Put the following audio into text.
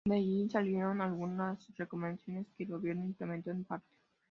De ahí salieron algunas recomendaciones que el gobierno implementó en parte.